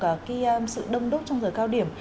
cái sự đông đốt trong giờ cao điểm